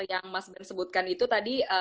yang mas bran sebutkan itu tadi